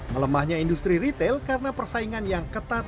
melemahnya industri retail karena persaingan yang ketat